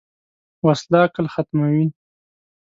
وسله عقل ختموي